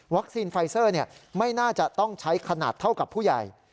ไฟเซอร์ไม่น่าจะต้องใช้ขนาดเท่ากับผู้ใหญ่